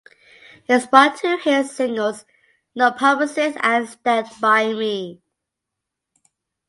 It spawned two hit singles: "No Promises" and "Stand by Me".